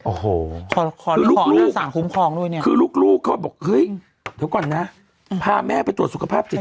โอ้โหคือลูกลูกเขาบอกเฮ้ยเดี๋ยวก่อนน่ะพาแม่ไปตรวจสุขภาพจิต